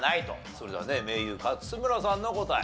それではね盟友勝村さんの答え。